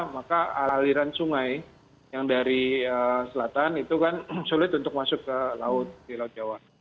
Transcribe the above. maka aliran sungai yang dari selatan itu kan sulit untuk masuk ke laut di laut jawa